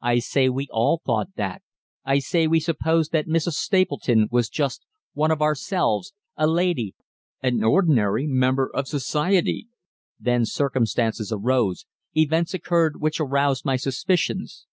I say we all thought that, I say we supposed that Mrs. Stapleton was just one of ourselves, a lady, an ordinary member of society. Then circumstances arose, events occurred which aroused my suspicions.